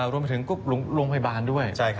รวมไปถึงโรงพยาบาลด้วย